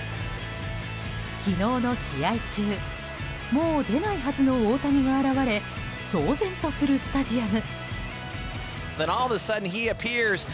昨日の試合中もう出ないはずの大谷が現れ騒然とするスタジアム。